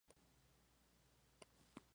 Tiene una distribución mundial.